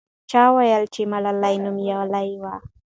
چا وویل چې ملالۍ نومیالۍ وه.